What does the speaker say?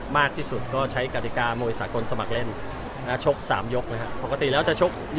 ไม่รู้อะครับถามแฟนข่าวเองก็ได้